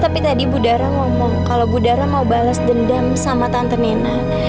tapi tadi budara ngomong kalau budara mau balas dendam sama tante nena